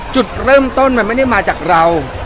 จุดเริ่มต้นมันไม่ได้มาจากเรา